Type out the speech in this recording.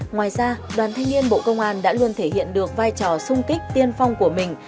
ngoài ra đoàn thanh niên bộ công an đã luôn thể hiện được vai trò sung kích tiên phong của mình